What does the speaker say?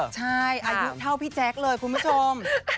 ใช่อายุเท่าพี่แจ๊คเลยคุณผู้ชม